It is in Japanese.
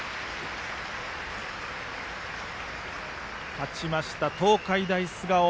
勝ちました東海大菅生。